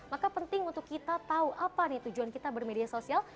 maka penting untuk kita tahu apa nih tujuan kita bermedia sosial